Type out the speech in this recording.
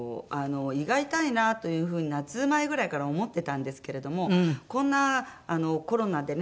胃が痛いなという風に夏前ぐらいから思ってたんですけれどもこんなコロナでね